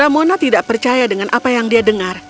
mona tidak percaya dengan apa yang dia dengar